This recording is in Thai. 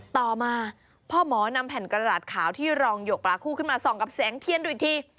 ต่อมาพ่อหมอนำแผ่นกระดาษขาวที่รองหยกปลาคู่ขึ้นมาส่องกับแสงเทียนดูอีกที